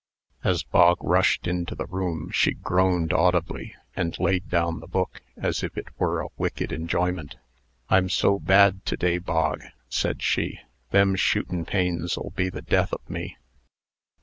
As Bog rushed into the room, she groaned audibly, and laid down the book, as if it were a wicked enjoyment. "I'm so bad to day, Bog," said she. "Them shootin' pains'll be the death of me."